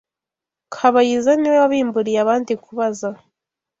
Kabayiza ni we wabimburiye abandi kubaza